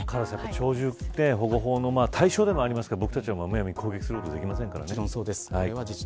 鳥獣保護法の対象でもありますから僕たちはむやみに処分できませんからね。